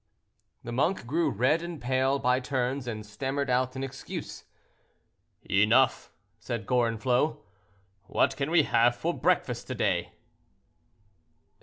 The monk grew red and pale by turns, and stammered out an excuse. "Enough," said Gorenflot, "what can we have for breakfast to day?"